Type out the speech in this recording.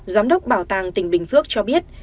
giám đốc bảo tàng tỉnh bình phước cho biết